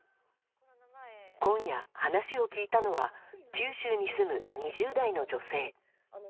今夜、話を聞いたのは九州に住む２０代の女性。